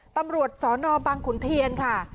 ตำรวจสนบังขุนเทียนค่ะ